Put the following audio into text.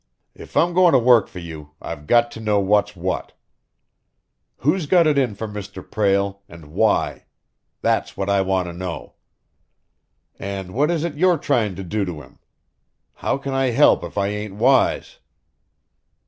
If I'm goin' to work for you, I've got to know what's what. Who's got it in for Mr. Prale, and why? That's what I want to know. And what is it you're tryin' to do to him? How can I help if I ain't wise?"